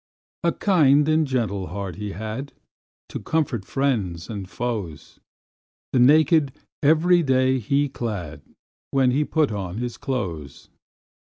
A kind and gentle heart he had, To comfort friends and foes; The naked every day he clad, When he put on his clothes.